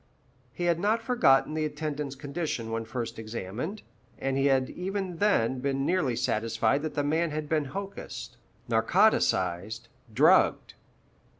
He had not forgotten the attendant's condition when first examined, and he had even then been nearly satisfied that the man had been hocussed, narcotized, drugged.